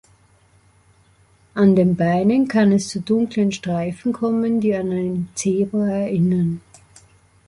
An den Beinen kann es zu dunklen Streifen kommen, die an ein Zebra erinnern.